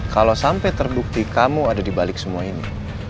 kalau sampai terbukti kamu ada dibalik semua ini